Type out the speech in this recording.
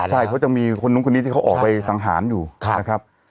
ใช่เขาจะมีคนนู้นคนนี้ที่เขาออกไปสังหารอยู่นะครับ